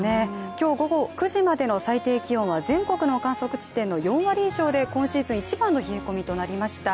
今日午後９時までの最低気温は全国の観測地点の４割以上で今シーズン一番の冷え込みとなりました。